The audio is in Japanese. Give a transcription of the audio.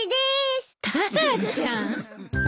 タラちゃん。